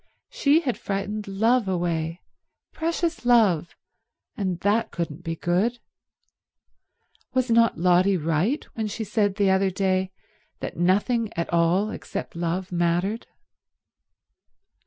She had frightened love away, precious love, and that couldn't be good. Was not Lotty right when she said the other day that nothing at all except love mattered?